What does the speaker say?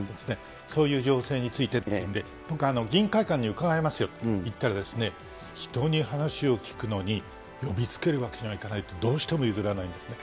そういう情勢についてっていうので、僕、議員会館に伺いますよと言ったらですね、人に話を聞くのに、呼びつけるわけにはいかないと、どうしても譲らないんですね。